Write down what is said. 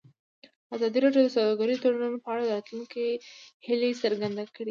ازادي راډیو د سوداګریز تړونونه په اړه د راتلونکي هیلې څرګندې کړې.